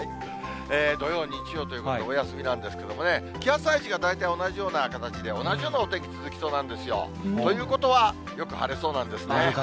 土曜、日曜ということでお休みなんですけどもね、気圧配置が大体同じような形で同じようなお天気続きそうなんですよ。ということは、よく晴れそうなんですね。